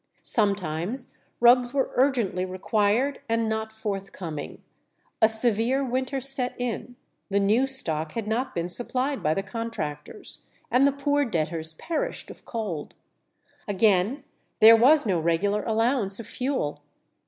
Sometimes rugs were urgently required and not forthcoming; a severe winter set in, the new stock had not been supplied by the contractors, and the poor debtors perished of cold. Again, there was no regular allowance of fuel.